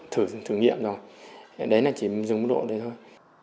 thử thử nghiệm rồi đấy là chỉ dùng mức độ đấy thôi